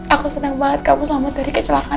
aku seneng banget kamu selama tadi kecelakaan